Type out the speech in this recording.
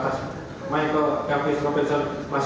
masih berlagu dengan tuguhan konversi untuk menghalangi keadilan